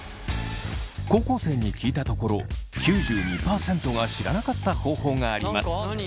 高校生に聞いたところ９２％が知らなかった方法があります。